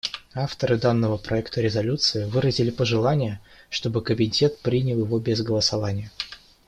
Авторы данного проекта резолюции выразили пожелание, чтобы Комитет принял его без голосования.